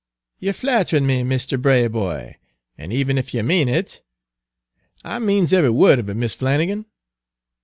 "Yer flatthrin' me, Misther Braboy. An' even if ye mane it" "I means eve'y word of it, Mis' Flannigan."